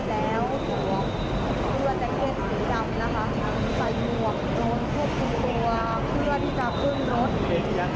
นะครับ